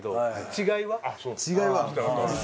違いは。